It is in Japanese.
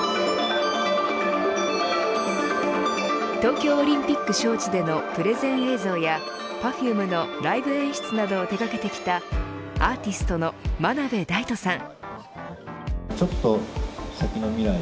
東京オリンピック招致でのプレゼン映像やＰｅｒｆｕｍｅのライブ演出などを手がけてきたアーティストの真鍋大度さん。